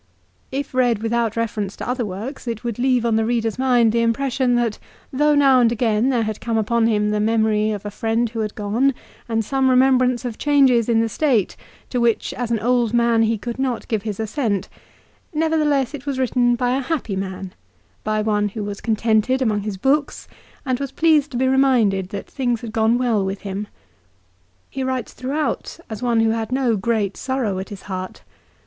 If read without reference to other works it would leave on the reader's mind the impression that though now and again there had come upon him the memory of a friend who had gone and some remembrance of changes in the State to which as an old man he could not give his assent, nevertheless it was written by a happy man, by one who was contented among his books, and was pleased to be reminded that things had gone well with him. He writes throughout as one who had no great sorrow at his heart.